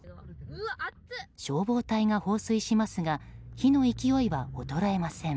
消防隊が放水しますが火の勢いは衰えません。